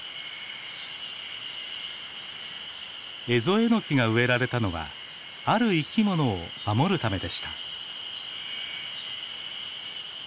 エゾエノキが植えられたのはある生きものを守るためでした。